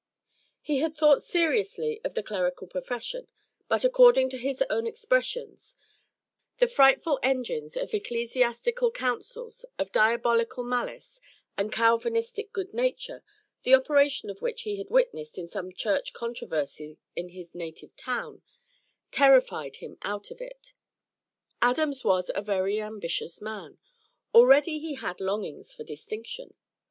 He had thought seriously of the clerical profession, but, according to his own expressions, "The frightful engines of ecclesiastical councils, of diabolical malice, and Calvinistic good nature," the operation of which he had witnessed in some church controversies in his native town, terrified him out of it. Adams was a very ambitious man; already he had longings for distinction.